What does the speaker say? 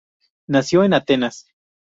Nació en Atenas.